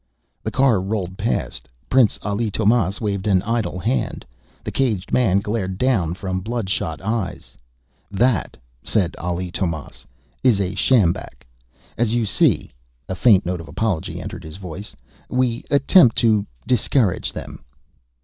The car rolled past. Prince Ali Tomás waved an idle hand. The caged man glared down from bloodshot eyes. "That," said Ali Tomás, "is a sjambak. As you see," a faint note of apology entered his voice, "we attempt to discourage them."